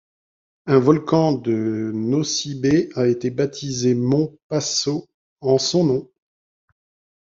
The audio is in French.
Un volcan de Nosy Be a été baptisé Mont Passot en son nom.